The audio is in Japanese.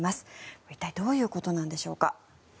これは一体どういうことなんでしょうか。